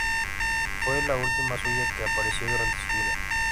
Fue la última suya que apareció durante su vida.